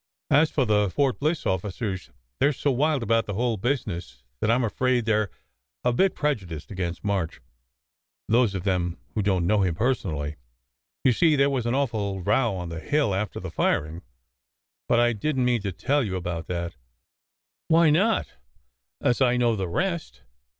As for the Fort Bliss officers, they re so wild about the whole business that I m afraid they re a bit prejudiced against March those of them who don t know him personally. You see, there was an awful row on the hill after the firing but I didn t mean to tell you about that " "Why not, as I know the rest?